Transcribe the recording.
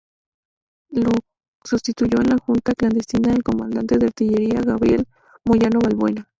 Le sustituyó en la junta clandestina el comandante de artillería Gabriel Moyano Balbuena.